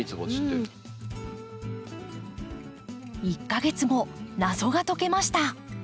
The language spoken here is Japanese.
１か月後謎が解けました。